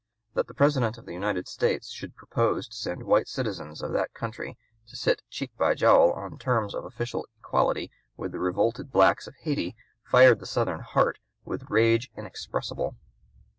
That the President of the United States should propose to send white citizens of that country to sit cheek by jowl on terms of official equality with the revolted blacks of Hayti fired the Southern heart with rage inexpressible.